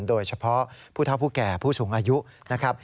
โดยเฉพาะผู้เท่าผู้แก่ผู้สูงอายุนะครับ